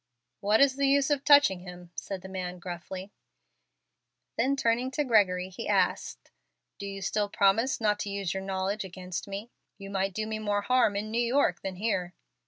"What is the use of touching him?" said the man, gruffly. Then turning to Gregory he asked, "Do you still promise not to use your knowledge against me? You might do me more harm in New York than here."